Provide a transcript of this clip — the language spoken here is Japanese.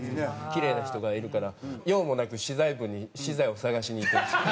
キレイな人がいるから用もなく資材部に資材を探しに行ってました。